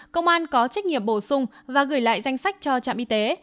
công an có trách nhiệm bổ sung và gửi lại danh sách cho trạm y tế